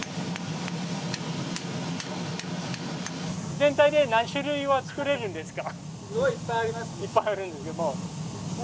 全体で何種類作れるんですか？